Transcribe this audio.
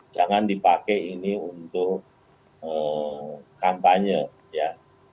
jangan dipakai ini untuk kampanye ya